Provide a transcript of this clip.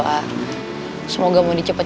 siapa itu tyuaru mampus anda alihkan